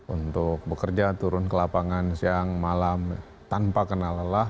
untuk bekerja turun ke lapangan siang malam tanpa kena lelah